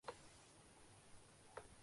Ivory Coast